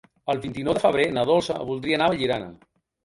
El vint-i-nou de febrer na Dolça voldria anar a Vallirana.